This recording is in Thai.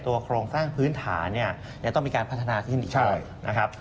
ตัวโครงสร้างพื้นฐานเนี่ยต้องมีการพัฒนาขึ้นอีกก่อน